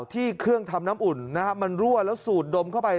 ที่เครื่องทำน้ำอุ่นมันรั่วแล้วสูดดมเข้าไป